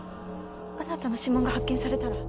あなたの指紋が発見されたら。